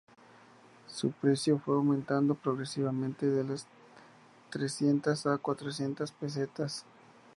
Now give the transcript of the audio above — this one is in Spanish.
Su precio fue aumentando progresivamente de las trescientas a las cuatrocientas pesetas.